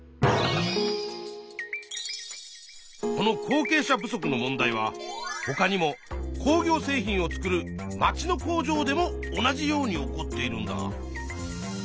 この後継者不足の問題はほかにも工業製品を作る町の工場でも同じように起こっているんだ。